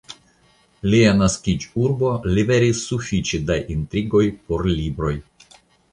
Lia naskiĝurbo liveris sufiĉe da intrigoj por libroj!